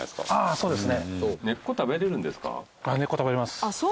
そうですね。